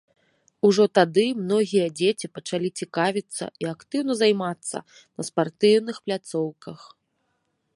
Ужо тады многія дзеці пачалі цікавіцца і актыўна займацца на спартыўных пляцоўках.